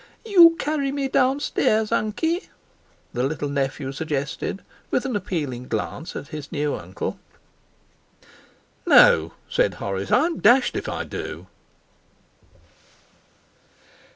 'You carry me down stairs, unky?' the little nephew suggested, with an appealing glance at his new uncle. 'No,' said Horace, 'I'm dashed if I do!'